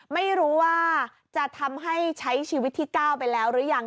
ไม่รู้ว่าจะทำให้ใช้ชีวิตที่๙ไปแล้วหรือยัง